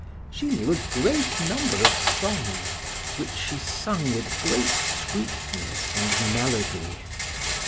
She knew a great number of songs, which she sung with great sweetness and melody.